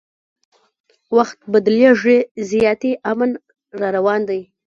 وخت بدلیږي زیاتي امن را روان دی